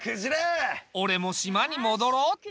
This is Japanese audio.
俺も島に戻ろうっと。